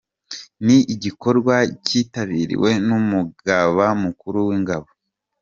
Ni igikorwa cyitabiriwe n’Umugaba mukuru w’ingabo, Gen.